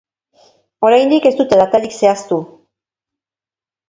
Oraindik ez dute datarik zehaztu.